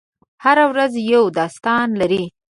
هره ورځ یو داستان لري.